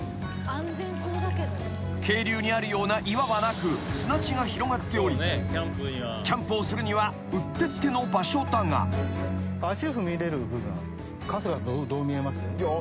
［渓流にあるような岩はなく砂地が広がっておりキャンプをするにはうってつけの場所だが］えっ！？